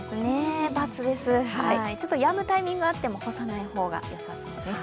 やむタイミングがあっても干さない方がよさそうです。